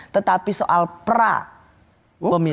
tetapi soal pra pemilu